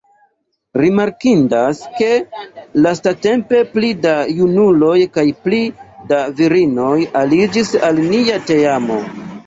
Rimarkindas ke lastatempe pli da junuloj kaj pli da virinoj aliĝis al nia teamo.